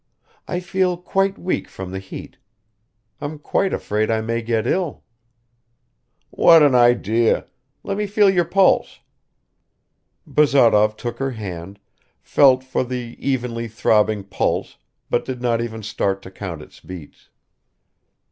I feel quite weak from the heat. I'm quite afraid I may get ill." "What an idea! Let me feel your pulse." Bazarov took her hand, felt for the evenly throbbing pulse but did not even start to count its beats.